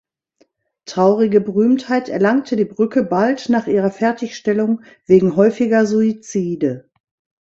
Traurige Berühmtheit erlangte die Brücke bald nach ihrer Fertigstellung wegen häufiger Suizide.